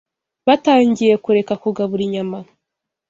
batangiye kureka kugabura inyama